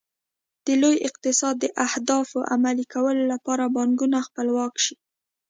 د لوی اقتصاد د اهدافو عملي کولو لپاره بانکونه خپلواک شي.